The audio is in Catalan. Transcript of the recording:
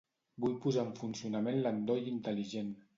Vull posar en funcionament l'endoll intel·ligent.